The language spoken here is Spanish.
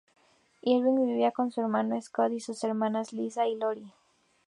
Irving vivía con su hermano, Scott, y sus hermanas, Lisa y Lori.